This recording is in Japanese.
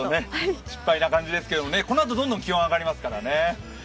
失敗な感じですけどもこのあとどんどん気温が上がりますからね。